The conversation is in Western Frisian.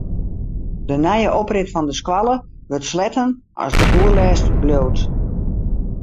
De nije oprit fan de skoalle wurdt sletten as de oerlêst bliuwt.